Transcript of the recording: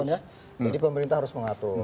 jadi pemerintah harus mengatur